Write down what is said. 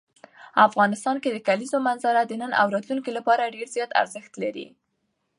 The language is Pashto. افغانستان کې د کلیزو منظره د نن او راتلونکي لپاره ډېر زیات ارزښت لري.